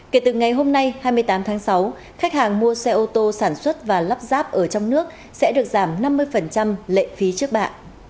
kể từ ngày hôm nay hai mươi tám tháng sáu khách hàng mua xe ô tô sản xuất và lắp ráp ở trong nước sẽ được giảm năm mươi lệ phí trước bạ